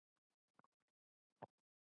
I eat eggs.